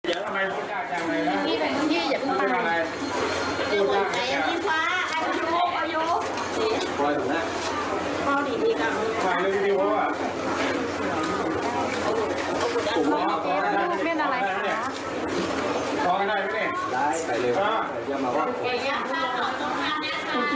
อ้าวเจ้าสีสุข่าวของซี่บัวได้ด้วยเจ้าสีสุข่าวของซี่บัวได้